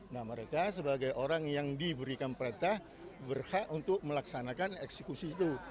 nah mereka sebagai orang yang diberikan perintah berhak untuk melaksanakan eksekusi itu